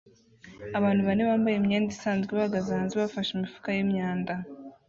Abantu bane bambaye imyenda isanzwe bahagaze hanze bafashe imifuka yimyanda